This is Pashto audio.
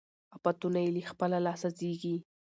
آفتونه یې له خپله لاسه زېږي